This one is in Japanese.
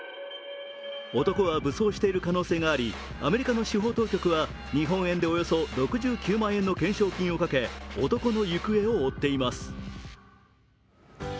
男は武装している可能性がありアメリカの司法当局は日本円でおよそ６９万円の懸賞金をかけ男の行方を追っています。